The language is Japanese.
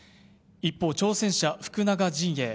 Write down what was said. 一方、挑戦者も福永陣営。